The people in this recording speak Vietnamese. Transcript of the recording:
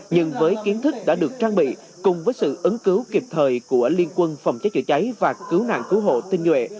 nhưng với kiến thức đã được trang bị cùng với sự ứng cứu kịp thời của liên quân phòng cháy chữa cháy và cứu nạn cứu hộ tinh nhuệ